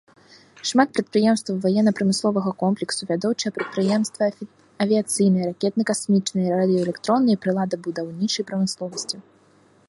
Шмат прадпрыемстваў ваенна-прамысловага комплексу, вядучыя прадпрыемствы авіяцыйнай, ракетна-касмічнай, радыёэлектроннай, прыладабудаўнічай прамысловасці.